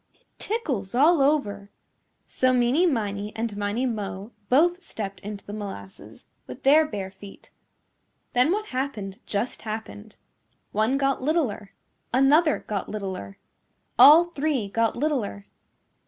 "It tickles all over." So Meeney Miney and Miney Mo both stepped into the molasses with their bare feet. Then what happened just happened. One got littler. Another got littler. All three got littler.